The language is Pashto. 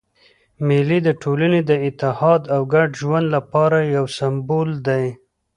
مېلې د ټولني د اتحاد او ګډ ژوند له پاره یو سېمبول دئ.